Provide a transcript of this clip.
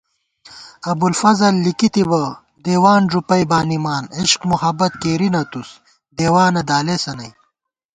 ابُوالفضل لِکی تِبہ، دیوان ݫُوپَئ بانِمان * عشق محبت کېرِی نہ تُوس، دیوانہ دالېسہ نئ